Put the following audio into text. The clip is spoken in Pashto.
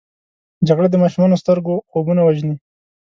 جګړه د ماشومو سترګو خوبونه وژني